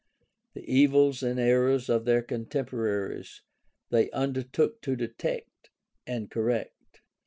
The evils and errors of their contemporaries they undertook to detect and correct.